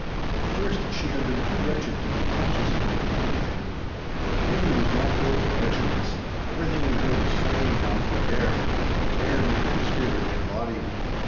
At first she had been too wretched to be conscious of needing anything. But Katie was not built for wretchedness; everything in her was fighting now for air, what air meant to spirit and body.